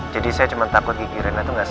jadi saya cuma takut gigi rena itu nggak sehat